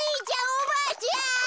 おばあちゃん。